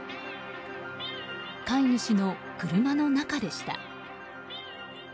飼い主の車の中でした。